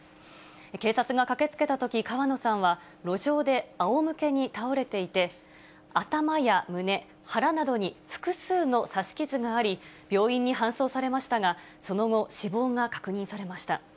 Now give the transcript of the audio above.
警察が駆けつけたとき、川野さんは路上であおむけに倒れていて、頭や胸、腹などに複数の刺し傷があり、病院に搬送されましたが、その後、死亡が確認されました。